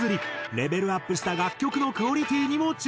レベルアップした楽曲のクオリティにも注目。